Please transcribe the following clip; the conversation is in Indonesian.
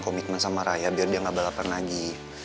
komitmen sama raya biar dia gak balapan lagi